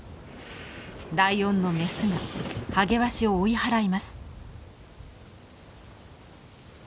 ライオンのメスがハゲワシを追い払います。